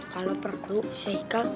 kalo perlu haikal